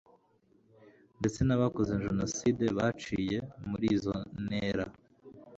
ndetse n'abakoze jenoside baciye muri izo ntera